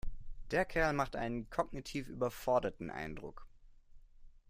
Der Kerl macht einen kognitiv überforderten Eindruck.